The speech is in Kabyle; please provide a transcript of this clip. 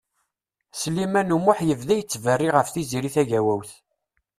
Sliman U Muḥ yebda yettberri ɣef Tiziri Tagawawt.